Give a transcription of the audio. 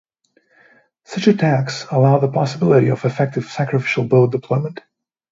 Such attacks allow the possibility of effective sacrificial boat deployment.